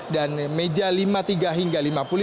dan meja lima tiga hingga lima puluh lima